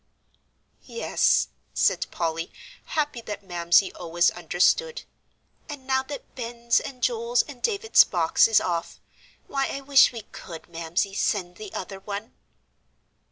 "Yes," said Polly, happy that Mamsie always understood, "and now that Ben's and Joel's and David's box is off, why, I wish we could, Mamsie, send the other one."